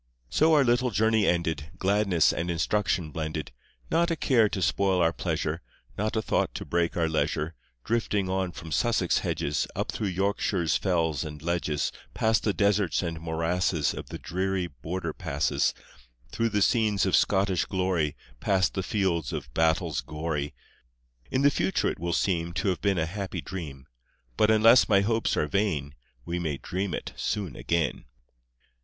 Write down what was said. So our little journey ended, Gladness and instruction blended — Not a care to spoil our pleasure, Not a thought to break our leisure, Drifting on from Sussex hedges Up through Yorkshire's fells and ledges Past the deserts and morasses Of the dreary Border passes, Through the scenes of Scottish story Past the fields of battles gory. In the future it will seem To have been a happy dream, But unless my hopes are vain We may dream it soon again.